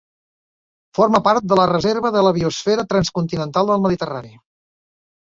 Forma part de la Reserva de la Biosfera Transcontinental del Mediterrani.